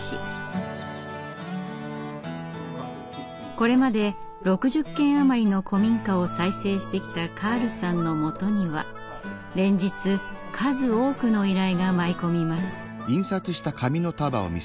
これまで６０軒余りの古民家を再生してきたカールさんのもとには連日数多くの依頼が舞い込みます。